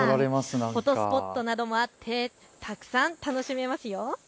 フォトスポットなどもあってたくさん楽しめますよ。